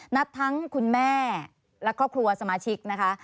ทั้งคุณแม่และครอบครัวสมาชิกนะคะ